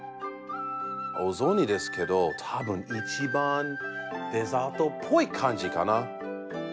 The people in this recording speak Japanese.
お雑煮ですけど多分一番デザートっぽい感じかな。